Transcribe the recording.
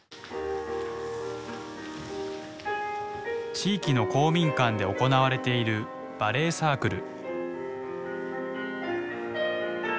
地域の公民館で行われているバレエサークル。